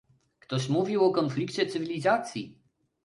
Ktoś mówił o konflikcie cywilizacji